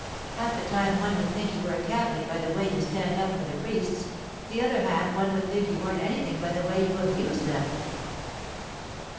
'Half the time one would think you were a Catholic by the way you stand up for the priests; the other half one would think you weren't anything by the way you abuse them.